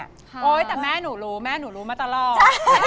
โอ้ยแต่แม่หนูรู้มาตลอด